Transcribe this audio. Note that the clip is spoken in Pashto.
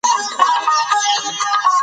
پلار مې ماته د کیسو نوی کتاب راوړ.